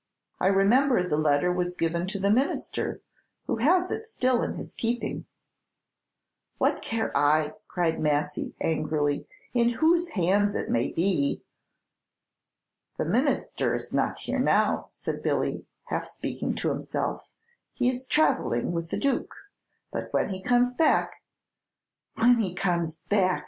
"I remember the letter was given to the Minister, who has it still in his keeping." "What care I," cried Massy, angrily, "in whose hands it may be?" "The Minister is not here now," said Billy, half speaking to himself, "he is travelling with the Duke; but when he comes back " "When he comes back!"